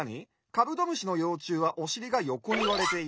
「カブトムシのようちゅうはおしりがよこにわれている。